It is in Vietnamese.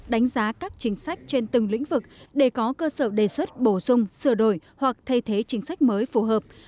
đánh giá các chính sách trên từng lĩnh vực để có cơ sở đề xuất bổ sung sửa đổi hoặc thay thế chính sách mới phù hợp